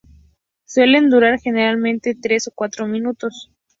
Suelen durar generalmente tres o cuatro minutos.